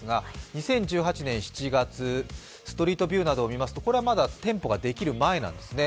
２０１８年７月、ストリートビューなどを見ますと、これはまだ店舗ができる前なんですね。